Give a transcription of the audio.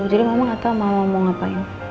jadi mama gak tau mama mau ngapain